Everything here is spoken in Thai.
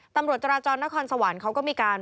ตำรวจจราจรนครสวรรค์เขาก็มีการ